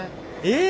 え！